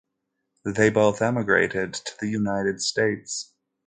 They both emigrated to the United States.